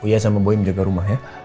puya sama boi menjaga rumah ya